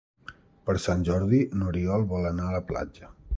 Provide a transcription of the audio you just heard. Per Sant Jordi n'Oriol vol anar a la platja.